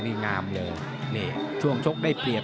นี่งามเลยนี่ช่วงชกได้เปรียบ